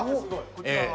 こちらは？